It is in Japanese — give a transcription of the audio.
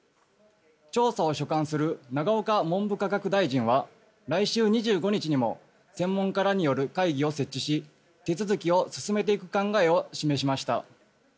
調査を所管する永岡文部科学大臣は来週２５日にも専門家らによる会議を設置し手続きを進めていく考えを示しました。